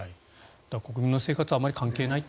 国民の生活はあまり関係ないと。